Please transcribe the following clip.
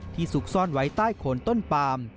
ซุกซ่อนไว้ใต้โคนต้นปาม